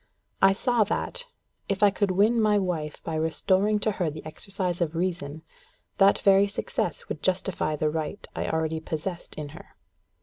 I saw that, if I could win my wife by restoring to her the exercise of reason, that very success would justify the right I already possessed in her.